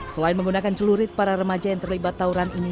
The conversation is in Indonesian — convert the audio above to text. selain menggunakan celurit para remaja yang terlibat tawuran ini